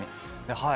「はい！」